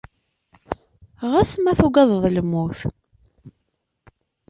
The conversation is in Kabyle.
Ɣas ma tugadeḍ lmut.